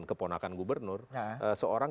keponakan gubernur seorang